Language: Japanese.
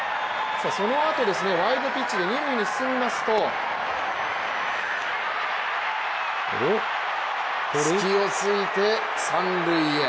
そのあと、ワイルドピッチで二塁に進みますと隙を突いて、三塁へ。